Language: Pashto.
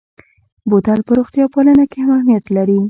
بوتل په روغتیا پالنه کې هم اهمیت لري.